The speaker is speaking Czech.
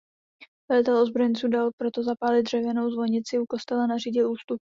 Velitel ozbrojenců dal proto zapálit dřevěnou zvonici u kostela a nařídil ústup.